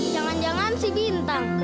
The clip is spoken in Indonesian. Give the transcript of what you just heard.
jangan jangan si bintang